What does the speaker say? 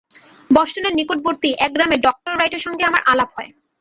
বষ্টনের নিকটবর্তী এক গ্রামে ডক্টর রাইটের সঙ্গে আমার আলাপ হয়।